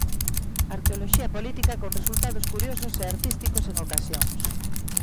Arqueoloxía política con resultados curiosos e artísticos en ocasións.